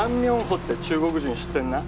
豪って中国人知ってんな？